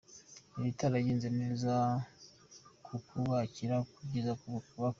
ibitaragenze neza tukubakira ku byiza bakoze.